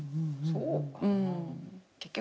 そうかな？